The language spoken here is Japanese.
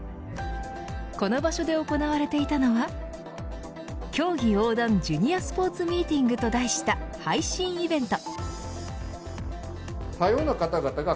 この場所で行われていたのは競技横断ジュニアスポーツミーティングと題した配信イベント。